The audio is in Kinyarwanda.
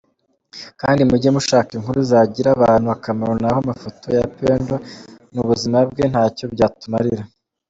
kdi muge mushaka inkuru zagira abantu akamaro naho amafoto ya pendo nubuzimabwe ntacyo byatumarira.